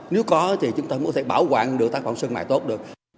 nếu có thì chúng ta cũng có thể bảo quản được tác phẩm sơn mài tốt được